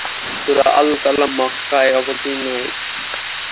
সূরা আল-কলম মক্কায় অবতীর্ণ হয়েছে।